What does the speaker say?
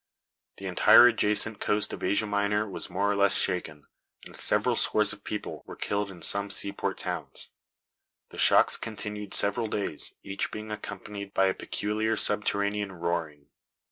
The entire adjacent coast of Asia Minor was more or less shaken, and several scores of people were killed in some seaport towns. The shocks continued several days, each being accompanied by a peculiar subterranean roaring.